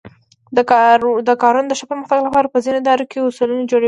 د کارونو د ښه پرمختګ لپاره په ځینو ادارو کې اصولنامې جوړې شوې.